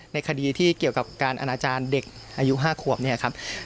ในคดีที่เกี่ยวกับการอนาจารย์เด็กอายุ๕ขวบเนี่ยครับ